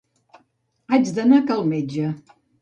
Haig d'anar a cal metge.